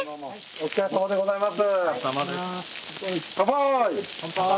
お疲れさまでございます！